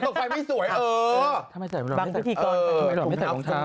ใกล้ไปต้มไฟกล้วไฟ